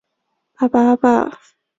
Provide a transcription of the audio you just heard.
与其相对应的乌加里特字母则是。